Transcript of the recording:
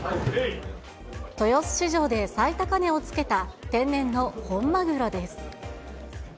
豊洲市場で最高値をつけた、天然の本マグロです。